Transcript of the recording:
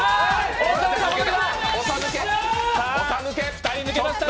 ２人抜けました。